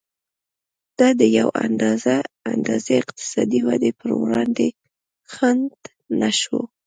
دا د یوې اندازې اقتصادي ودې پر وړاندې خنډ نه شو.